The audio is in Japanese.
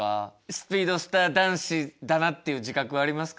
スピードスター男子だなっていう自覚はありますか？